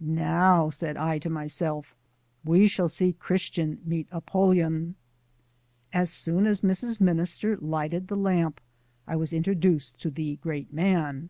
"Now," said I to myself, "we shall see Christian meet Apollyon." As soon as Mrs. Minister lighted the lamp I was introduced to the great man.